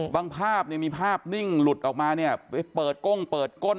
บางภาพมีภาพนิ่งหลุดออกมาไปเปิดก้งเปิดก้น